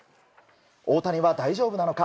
大谷は大丈夫なのか。